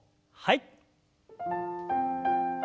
はい。